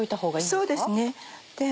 そうですね。